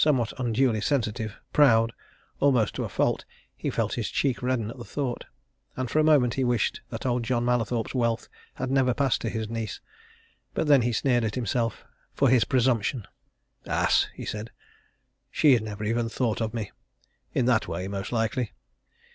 Somewhat unduly sensitive, proud, almost to a fault, he felt his cheek redden at the thought, and for a moment he wished that old John Mallathorpe's wealth had never passed to his niece. But then he sneered at himself for his presumption. "Ass!" he said. "She's never even thought of me in that way, most likely!